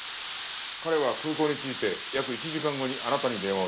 彼は空港に着いて約１時間後にあなたに電話をしている。